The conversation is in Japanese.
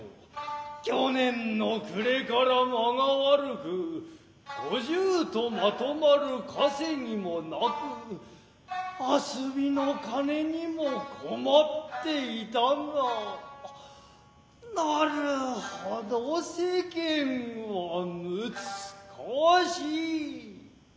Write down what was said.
去年の暮れから間が悪く五十とまとまるかせぎもなく遊びの金にも困っていたが成程世間は難かしい。